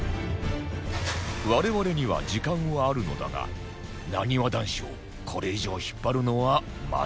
我々には時間はあるのだがなにわ男子をこれ以上引っ張るのはまずい